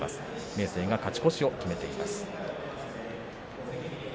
明生、勝ち越しを決めています。